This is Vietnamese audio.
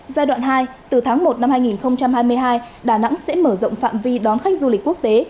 giai đoạn hai từ tháng một năm hai nghìn hai mươi hai đà nẵng sẽ mở rộng phạm vi đón khách du lịch quốc tế